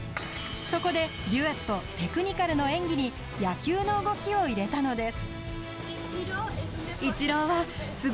そこでデュエット、テクニカルの演技に野球の動きを入れたのです。